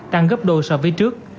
tăng gấp đôi so với trước